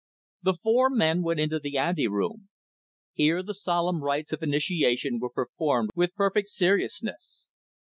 The four men went into the ante room. Here the solemn rights of initiation were performed with perfect seriousness.